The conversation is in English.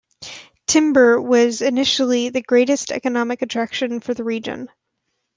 Timber was initially the greatest economic attraction for the region.